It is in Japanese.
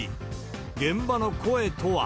現場の声とは。